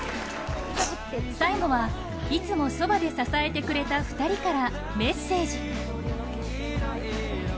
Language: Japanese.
最後は、いつもそばで支えてくれた２人からメッセージ。